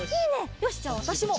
よしじゃあわたしも！